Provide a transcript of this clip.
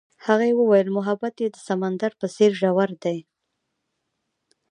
هغې وویل محبت یې د سمندر په څېر ژور دی.